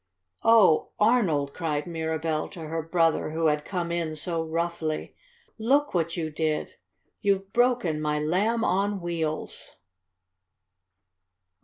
"Oh, Arnold!" cried Mirabell to her brother, who had come in so roughly. "Look what you did! You've broken my Lamb on Wheels!"